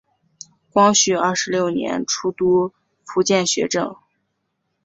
光绪二十六年出督福建学政。